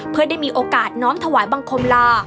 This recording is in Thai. เพื่อได้มีโอกาสน้อมถวายบังคมลา